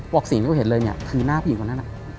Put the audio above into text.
สิ่งที่เขาเห็นเลยเนี่ยคือหน้าผู้หญิงคนนั้น